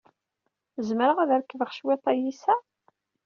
Zemreɣ ad rekbeɣ cwiṭ ayis-a?